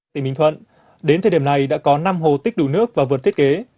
tỉnh bình thuận đến thời điểm này đã có năm hồ tích đủ nước và vượt thiết kế